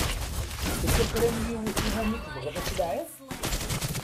Tella kra n yiwet i wumi tebɣiḍ ad tlaɛiḍ?